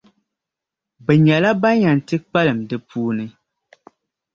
Bɛ nyɛla ban yɛn ti kpalim di puuni.